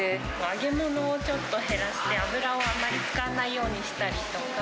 揚げ物をちょっと減らして、油をあまり使わないようにしたりとか。